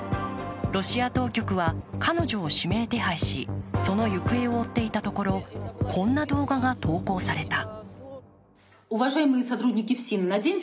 ロシア当局は彼女を指名手配しその行方を追っていたところ、こんな動画が投稿された。